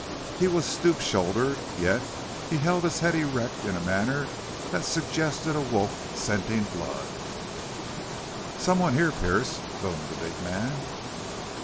He was stoop shouldered, yet he held his head erect in a manner that suggested a wolf scenting blood. "Someone here, Pearce," boomed the big man.